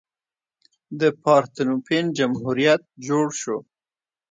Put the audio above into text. د پارتنوپین جمهوریت جوړ شو.